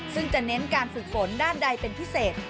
ซึ่งจะเน้นการฝึกฝนด้านใดเป็นพิเศษ